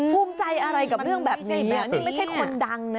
ภูมิใจอะไรกับเรื่องแบบนี้ไหมนี่ไม่ใช่คนดังนะ